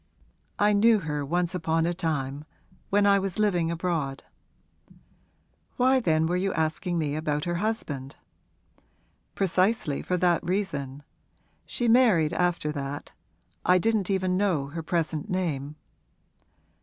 'I knew her once upon a time when I was living abroad.' 'Why then were you asking me about her husband?' 'Precisely for that reason. She married after that I didn't even know her present name.'